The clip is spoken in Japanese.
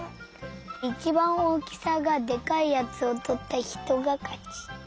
いちばんおおきさがでかいやつをとったひとがかち。